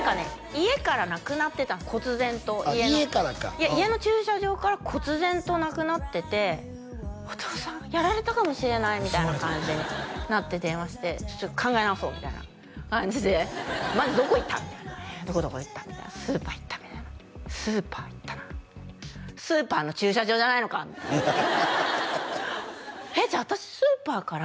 家からなくなってたこつぜんとあっ家からか家の駐車場からこつぜんとなくなってて「お父さんやられたかもしれない」みたいな感じになって電話して「考え直そう」みたいな感じで「まずどこ行った？」みたいな「どこどこ行った」みたいな「スーパー行った」みたいな「スーパー行ったな」「スーパーの駐車場じゃないのか」みたいな「えっじゃあ私スーパーから」